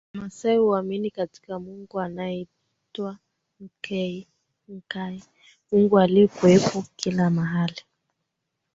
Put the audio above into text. Wamaasai huamini katika Mungu anaeitwa Nkai Mungu aliyekuwepo kila mahali